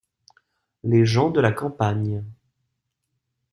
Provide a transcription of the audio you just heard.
Les gens de la campagne.